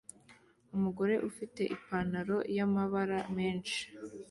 Umugore ufite Ipanaro y'amabara menshi